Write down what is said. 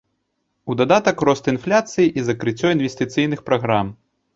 А ў дадатак рост інфляцыі і закрыццё інвестыцыйных праграм.